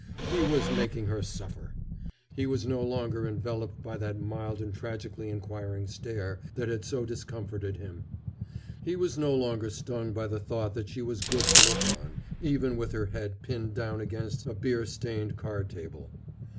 He was making her suffer. He was no longer enveloped by that mild and tragically inquiring stare that had so discomforted him. He was no longer stung by the thought that she was good to look on, even with her head pinned down against a beer stained card table.